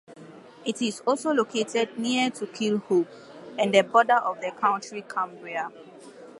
It is also located near to Killhope, and the border of the county Cumbria.